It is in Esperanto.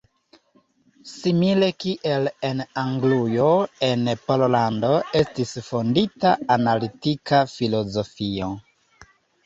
Simile kiel en Anglujo en Pollando estis fondita analitika filozofio.